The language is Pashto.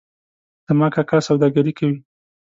زما کاکا سوداګري کوي